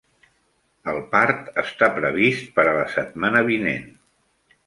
El part està previst per a la setmana vinent.